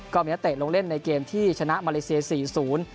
ก็มีนักเตะลงเล่นในเกมที่ชนะมาเลเซียสี่ศูนย์